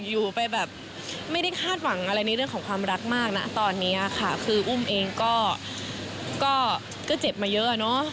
อยู่ไปแบบไม่ได้คาดหวังอะไรในเรื่องของความรักมากนะตอนนี้ค่ะคืออุ้มเองก็เจ็บมาเยอะอะเนาะ